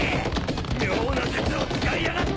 妙な術を使いやがって！